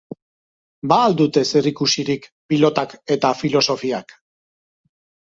Ba al dute zerikusirik pilotak eta filosofiak?